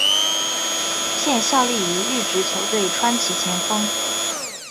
现效力于日职球队川崎前锋。